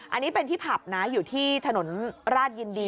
อันนี้เป็นที่ผับนะอยู่ที่ถนนราชยินดี